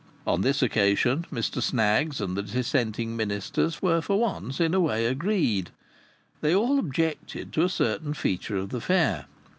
On this occasion Mr Snaggs and the dissenting ministers were for once in a way agreed. They all objected to a certain feature of the Fair.